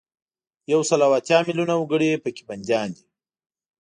یو سل او اتیا میلونه وګړي په کې بندیان دي.